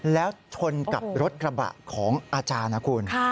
แล้วชนกับรถกระบะของอาจารย์นะคุณ